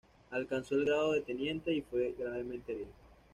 Alcanzó el grado de teniente y fue gravemente herido.